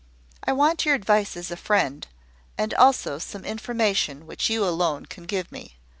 "I want your advice as a friend, and also some information which you alone can give me.